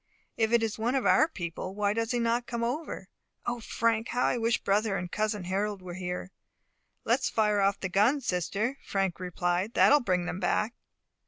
If it is one of our people, why does he not come over? O Frank, how I wish brother and cousin Harold were here." "Let us fire off the gun, sister," Frank replied, "that will bring them back."